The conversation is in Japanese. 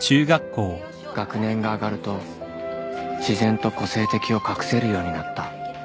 学年が上がると自然と「個性的」を隠せるようになった